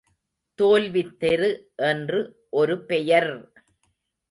தோல்வித் தெரு என்று ஒரு பெயர்!